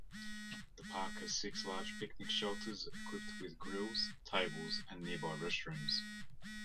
The park has six large picnic shelters equipped with grills, tables and nearby restrooms.